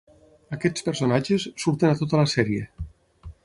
Aquests personatges surten a tota la sèrie.